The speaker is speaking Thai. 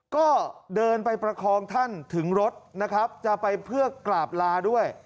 ก็เดินไปประคองท่านถึงรถนะครับจะไปเพื่อกราบลาด้วย